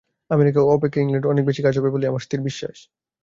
America অপেক্ষা ইংলণ্ডে অনেক বেশী কাজ হবে বলেই আমার স্থির বিশ্বাস।